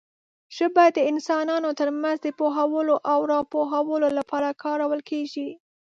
ژبه د انسانانو ترمنځ د پوهولو او راپوهولو لپاره کارول کېږي.